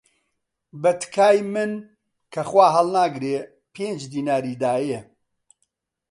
بە تکای من کە خوا هەڵناگرێ، پێنج دیناری دایە